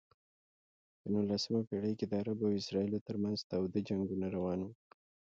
په نولسمه پېړۍ کې د عربو او اسرائیلو ترمنځ تاوده جنګونه روان و.